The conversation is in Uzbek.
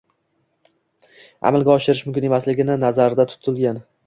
amalga oshirish mumkinligi nazarda tutilgan.